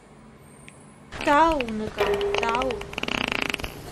— Тау, уныкам, тау!